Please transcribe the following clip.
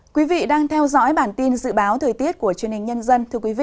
quý vị đang theo dõi bản tin dự báo thời tiết của chương trình nhân dân